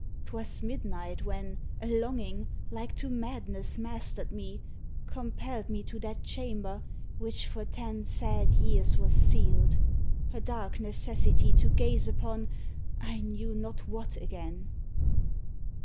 'Twas midnight when A longing, like to madness, mastered me, Compelled me to that chamber, which for ten Sad years was sealed; a dark necessity To gaze upon I knew not what again.